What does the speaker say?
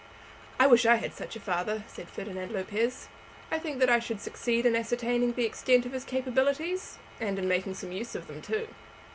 "I wish I had such a father," said Ferdinand Lopez. "I think that I should succeed in ascertaining the extent of his capabilities, and in making some use of them too."